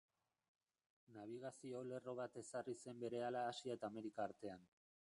Nabigazio lerro bat ezarri zen berehala Asia eta Amerika artean.